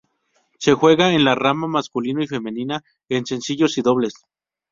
Se juega en la rama masculino y femenina en sencillos y dobles.